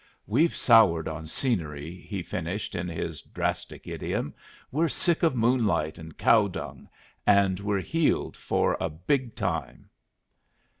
"We've soured on scenery," he finished, in his drastic idiom. "We're sick of moonlight and cow dung, and we're heeled for a big time."